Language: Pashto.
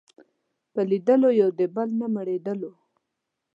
په لیدلو یو د بل نه مړېدلو